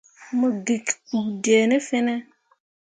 Mo gikki kpu dee ne fene.